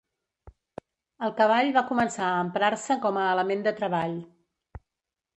El cavall va començar a emprar-se com a element de treball.